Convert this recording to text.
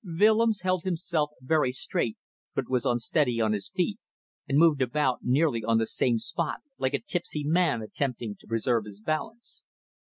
Willems held himself very straight, but was unsteady on his feet, and moved about nearly on the same spot, like a tipsy man attempting to preserve his balance.